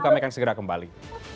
kami akan segera kembali